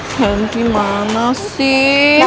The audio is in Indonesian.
randy mana sih